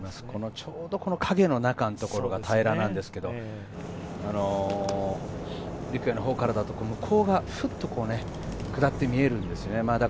ちょうど影の中のところが平らなんですけど、陸也のほうからだと向こうがフッと下って見えるんですね。